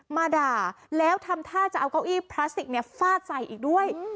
มาด่าแล้วทำท่าจะเอาเก้าอี้พลาสติกฟาดใส่อีกด้วย